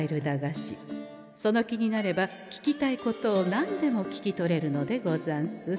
その気になれば聞きたいことを何でも聞き取れるのでござんす。